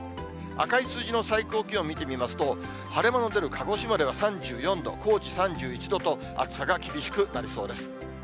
赤い数字の最高気温見てみますと、晴れ間の出る鹿児島では３４度、高知３１度と、暑さが厳しくなりそうです。